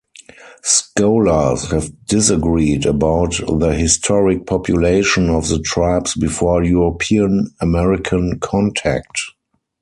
Scholars have disagreed about the historic population of the tribes before European-American contact.